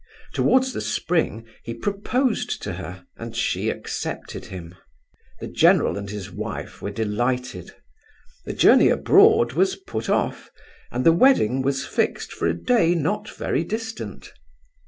Towards the spring he proposed to her, and she accepted him. The general and his wife were delighted. The journey abroad was put off, and the wedding was fixed for a day not very distant.